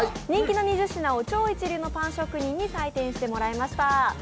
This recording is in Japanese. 人気の２０品を超一流のパン職人に採点してもらいました。